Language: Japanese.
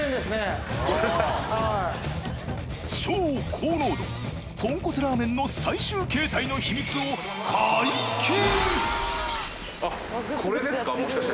超高濃度豚骨ラーメンの最終形態の秘密をもしかして。